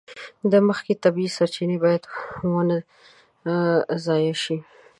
د مځکې طبیعي سرچینې باید ونه ضایع شي.